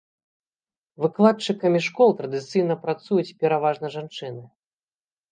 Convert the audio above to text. Выкладчыкамі школ традыцыйна працуюць пераважна жанчыны.